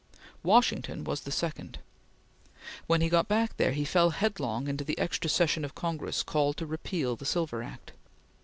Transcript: Washington was the second. When he got back there, he fell headlong into the extra session of Congress called to repeal the Silver Act.